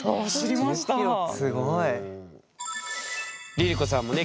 ＬｉＬｉＣｏさんもね